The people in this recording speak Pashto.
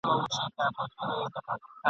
د جومات سړی په جومات کي لټوه !.